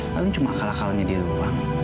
kalian cuma kalah kalahnya di ruang